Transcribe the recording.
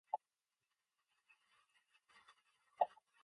Replication at each terminal ending is therefore similar.